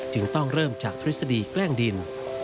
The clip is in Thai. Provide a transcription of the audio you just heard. จึงต้องเริ่มจากทฤษฎีแกล้งดิน